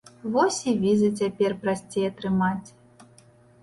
Вось і візы цяпер прасцей атрымаць.